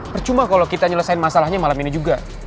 percuma kalau kita nyelesain masalahnya malam ini juga